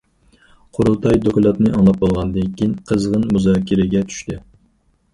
قۇرۇلتاي دوكلاتىنى ئاڭلاپ بولغاندىن كىيىن قىزغىن مۇزاكىرىگە چۈشتى.